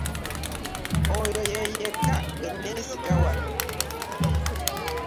Oyo ye yekka gwe nneesiga wano.